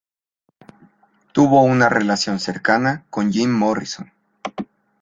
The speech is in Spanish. Tuvo una relación cercana con Jim Morrison.